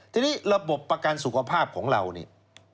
ทีนี้ระบบประกันสุขภาพของเราเนี่ย